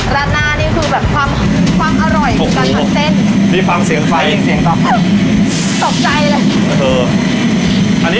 ราดนานี่คือความอร่อยสิ